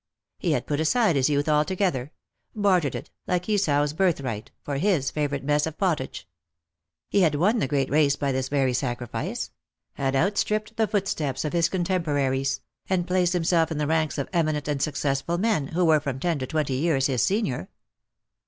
He had put aside his youth altogether — bartered it, like Esau's birthright, for his favourite mess of pottage. He had won the great race by this very sacrifice; had outstripped the footsteps of his contemporaries, and placed himself in the ranks of eminent and successful men, who were from ten to twenty years his senior.